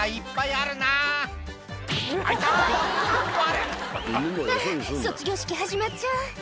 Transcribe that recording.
「あっ卒業式始まっちゃう」